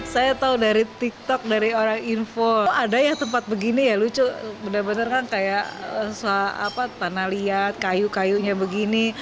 saya tahu dari tiktok dari orang info ada yang tempat begini ya lucu bener bener kan kayak tanah liat kayu kayunya begini